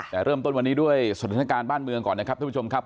แต่เริ่มต้นวันนี้ด้วยสถานการณ์บ้านเมืองก่อนนะครับท่านผู้ชมครับ